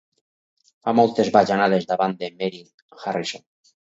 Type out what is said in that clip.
Fa moltes bajanades davant de Mary Harrison!